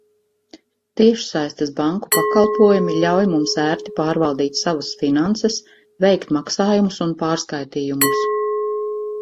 Tiešsaistes banku pakalpojumi ļauj mums ērti pārvaldīt savus finanses, veikt maksājumus un pārskaitījumus.